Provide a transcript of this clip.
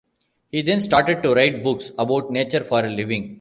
He then started to write books about nature for a living.